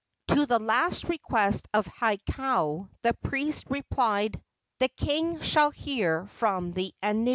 To the last request of Hakau the priest replied: "The king shall hear from the anu."